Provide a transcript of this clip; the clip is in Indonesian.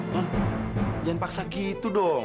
non jangan paksa gitu dong